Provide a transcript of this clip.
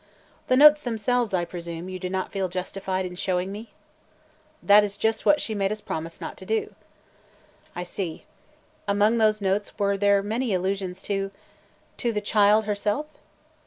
"The notes themselves, I presume, you do not feel justified in showing me?" "That is just what she made us promise not to do!" "I see. Among those notes were there many allusions to – to the child herself?"